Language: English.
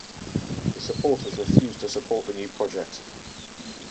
The supporters refused to support the new project.